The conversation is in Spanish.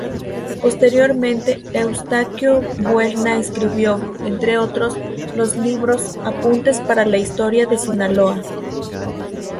Posteriormente Eustaquio Buelna escribió, entre otros, los libros "Apuntes Para la Historia de Sinaloa.